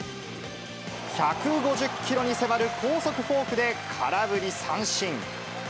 １５０キロに迫る高速フォークで空振り三振。